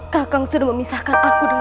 kakak sudah memisahkan aku dengan